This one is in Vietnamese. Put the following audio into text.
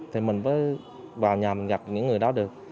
thì mình mới vào nhà mình gặp những người đó được